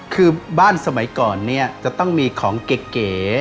คือบ้านสมัยก่อนเนี่ยจะต้องมีของเก๋